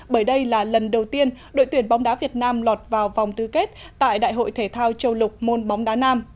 bởi đây là lần đầu tiên đội tuyển bóng đá việt nam lọt vào vòng tư kết tại đại hội thể thao châu lục môn bóng đá nam